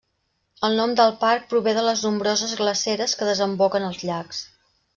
El nom del parc prové de les nombroses glaceres que desemboquen als llacs.